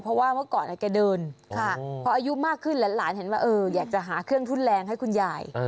เพราะว่าเมื่อก่อนแกเดินพออายุมากขึ้นหลานเห็นว่าอยากจะหาเครื่องทุนแรงให้คุณยาย